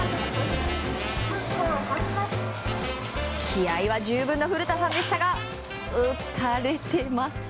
気合は十分な古田さんでしたが打たれてます。